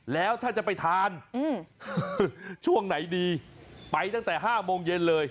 แล้วถ้าจะไปทานช่วงไหนดีไปตั้งแต่๕โมงเย็นเลย